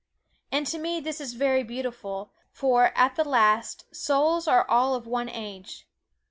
And to me this is very beautiful, for, at the last, souls are all of one age.